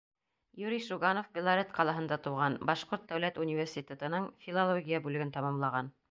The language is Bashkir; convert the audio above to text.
Юрий Шуганов Белорет ҡалаһында тыуған, Башҡорт дәүләт университетының филология бүлеген тамамлаған.